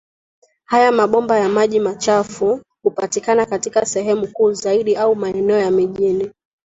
Haya mabomba ya maji machafu hupatikana katika sehemu kuu zaidi au maeneo ya mijini